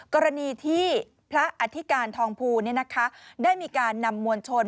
กรณีที่พระอธิการทองภูได้มีการนำมวลชน